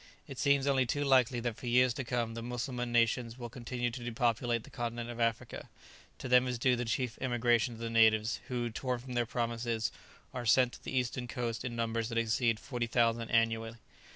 It seems only too likely that for years to come the Mussulman nations will continue to depopulate the continent of Africa; to them is due the chief emigration of the natives, who, torn from their provinces, are sent to the eastern coast in numbers that exceed 40,000 annually.